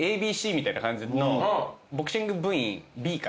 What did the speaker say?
ＡＢＣみたいな感じのボクシング部員Ｂかな？